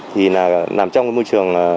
thì nằm trong môi trường